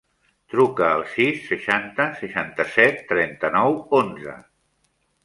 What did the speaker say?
Truca al sis, seixanta, seixanta-set, trenta-nou, onze.